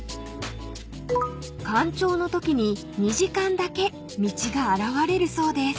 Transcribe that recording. ［干潮のときに２時間だけ道が現れるそうです］